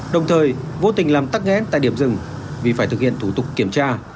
đồng thời vô tình làm tắc nghét tại điểm rừng vì phải thực hiện thủ tục kiểm tra